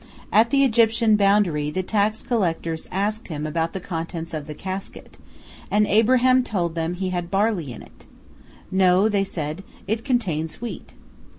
At the Egyptian boundary, the tax collectors asked him about the contents of the casket, and Abraham told them he had barley in it. "No," they said, "it contains wheat."